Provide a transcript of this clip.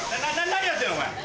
何やってるのお前。